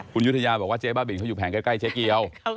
คุณยุธยาบอกว่าเจ๊บ้าบินเขาอยู่แผงใกล้เจ๊เกียว